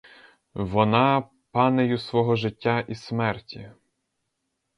Вона панею свого життя і смерті.